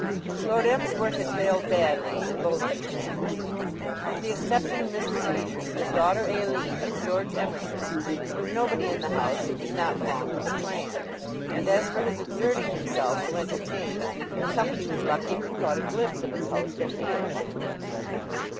Lord Emsworth had failed badly in both these matters. With the exception of Mr. Peters, his daughter Aline and George Emerson, there was nobody in the house who did not belong to the clan; and, as for his exerting himself to entertain, the company was lucky if it caught a glimpse of its host at meals.